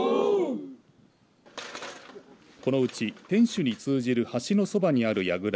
このうち天守に通じる橋のそばにあるやぐら